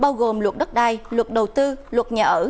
như luật đất đai luật đầu tư luật nhà ở